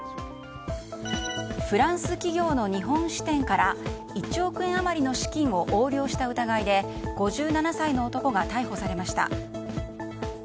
フランス企業の日本支店から１億円余りの資金を横領した疑いで５７歳の男が逮捕されました。